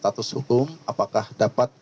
status hukum apakah dapat